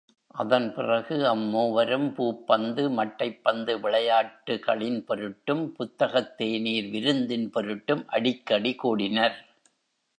அதன் பிறகு அம் மூவரும் பூப்பந்து, மட்டைப் பந்து விளையாட்டுகளின் பொருட்டும், புத்தகத்தேநீர் விருந்தின் பொருட்டும் அடிக்கடி கூடினர்.